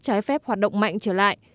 trái phép hoạt động mạnh trở lại